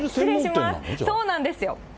そうなんですよ。